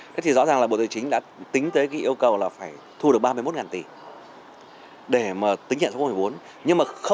thế thì rõ ràng là bộ tài chính đã tính tới cái yêu cầu là phải thu được ba mươi một tỷ để mà tính nhận số bốn